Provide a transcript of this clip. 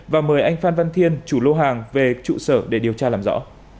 và mời anh phan văn thiên chủ lô hàng về trụ sở để điều tra làm rõ